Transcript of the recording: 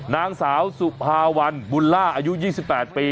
นางสาวสุภาวันบุญล่าอายุ๒๘ปี